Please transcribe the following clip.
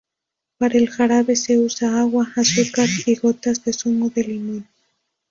Para el jarabe se usa agua, azúcar y gotas de zumo de limón.